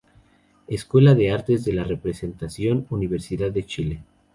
Escuela de Artes de la Representación, Universidad de Chile.